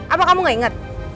apa kamu gak inget